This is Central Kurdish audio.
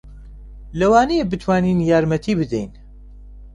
لەوانەیە بتوانین یارمەتی بدەین.